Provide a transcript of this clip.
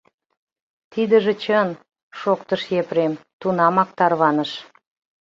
— Тидыже чын, — шоктыш Епрем, тунамак тарваныш...